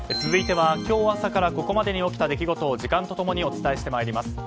続いては今日朝からここまでに起きた出来事を時間と共にお伝えしてまいります。